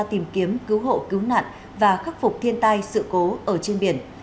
tìm kiếm cứu hộ cứu nạn và khắc phục thiên tai sự cố ở trên biển